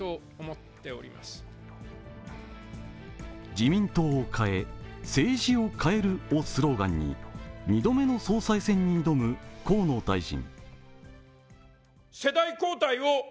「自民党を変え、政治を変える」をスローガンに２度目の総裁選に挑む河野大臣。